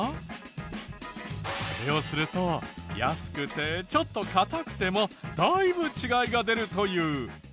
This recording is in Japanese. これをすると安くてちょっとかたくてもだいぶ違いが出るという。